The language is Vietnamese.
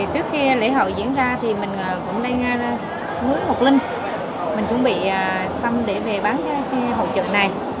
trước khi lễ hội diễn ra thì mình cũng đang nuối ngọc linh mình chuẩn bị sâm để về bán cái hội chợ này